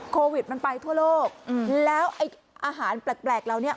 โควิดมันไปทั่วโลกแล้วอาหารแปลกเราเนี่ย